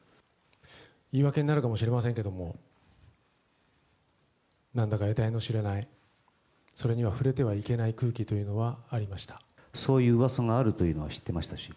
言い訳になるかもしれませんけども、なんだかえたいのしれない、それには触れてはいけない空気とそういううわさがあるというのは知ってましたし。